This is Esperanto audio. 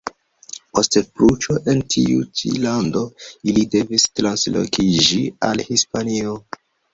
Post puĉo en tiu ĉi lando, li devis translokiĝi al Hispanio.